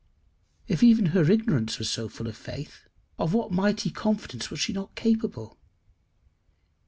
If even her ignorance was so full of faith, of what mighty confidence was she not capable!